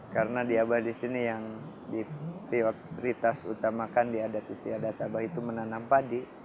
karena di abah di sini yang prioritas utamakan di adat istiadat abah itu menanam padi